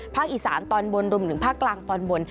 อีสานตอนบนรวมถึงภาคกลางตอนบน